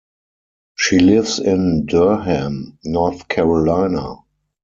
She lives in Durham, North Carolina.